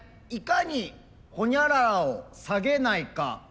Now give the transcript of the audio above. いかにほにゃららを下げないか。